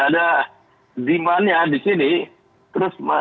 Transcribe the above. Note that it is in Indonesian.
ya memang angka itu terus berkembang ya